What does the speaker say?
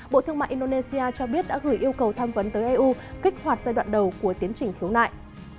bộ thương mại indonesia cho biết đã gửi yêu cầu tham vấn tới eu kích hoạt giai đoạn đầu của tiến trình khiếu nại